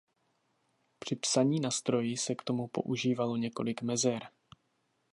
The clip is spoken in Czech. Při psaní na stroji se k tomu používalo několik mezer.